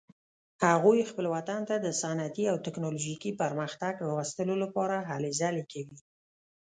هغوی خپل وطن ته د صنعتي او تکنالوژیکي پرمختګ راوستلو لپاره هلې ځلې کوي